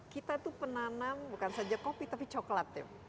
kita itu penanam bukan saja kopi tapi coklat ya